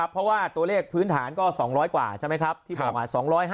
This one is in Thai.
เพราะว่าตัวเลขพื้นฐานก็๒๐๐กว่าใช่ไหมครับที่บอกมา๒๕๐